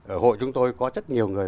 ở hội chúng tôi có rất nhiều người